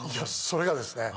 それがですね